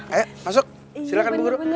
ayo masuk silahkan bu guru